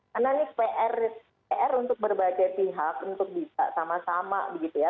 karena ini pr untuk berbagai pihak untuk bisa sama sama begitu ya